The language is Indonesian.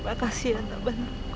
makasih ya ndak ben